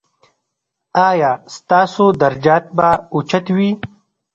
ایا ستاسو درجات به اوچت وي؟